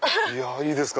いいですか？